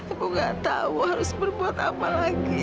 aku gak tahu harus berbuat apa lagi